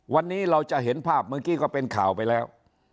วันนี้เราจะเห็นภาพเมื่อกี้ก็เป็นข่าวไปแล้ว